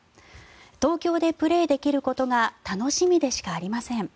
東京でプレーできることが楽しみでしかありません